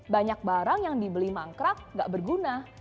banyak barang yang dibeli mangkrak gak berguna